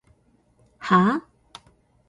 はぁ？